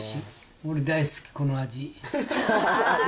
俺、大好き、この味。